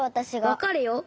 わかるよ。